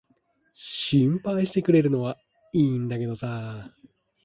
心配してくれるのは良いんだけどさ。